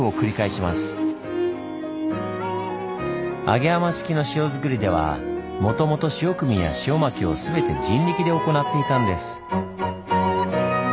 揚浜式の塩作りではもともと潮汲みや潮撒きを全て人力で行っていたんです。